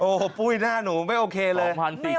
โอ้โหปุ้ยหน้าหนูไม่โอเคเลย